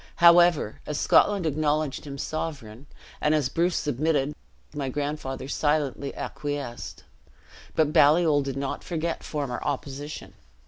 However, as Scotland acknowledged him sovereign, and as Bruce submitted, my grandfather silently acquiesced. But Baliol did not forget former opposition.